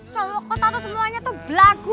selokotan semuanya tuh belagu